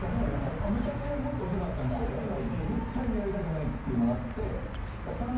昔はもっと遅かったんすけど絶対見られたくないっていうのがあって。